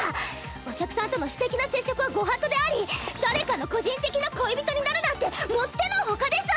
お客さんとの私的な接触はご法度であり誰かの個人的な恋人になるなんてもってのほかです！